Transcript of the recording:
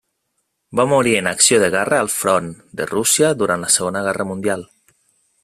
Va morir en acció de guerra al Front de Rússia durant la Segona Guerra Mundial.